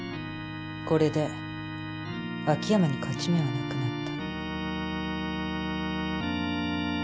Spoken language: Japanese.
これで秋山に勝ち目はなくなった。